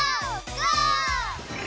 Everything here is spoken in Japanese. ゴー！